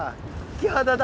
キハダだ。